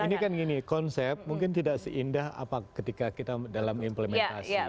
ini kan gini konsep mungkin tidak seindah ketika kita dalam implementasi